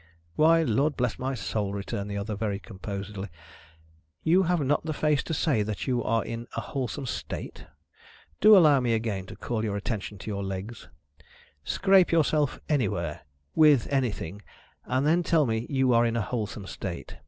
"Why, Lord bless my soul," returned the other, very composedly, "you have not the face to say that you are in a wholesome state? Do allow me again to call your attention to your legs. Scrape yourself anywhere with anything and then tell me you are in a wholesome state.